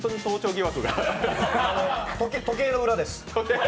時計の裏です。